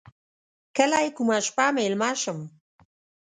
کله یې کومه شپه میلمه شم.